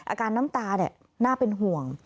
อาการน้ำตาน่าเป็นห่วง